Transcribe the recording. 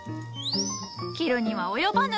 斬るには及ばぬ。